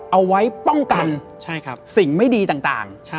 เอาไว้ป้องกันสิ่งไม่ดีต่าง